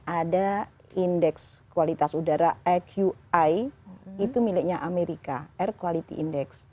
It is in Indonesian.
ada indeks kualitas udara aqi itu miliknya amerika air quality index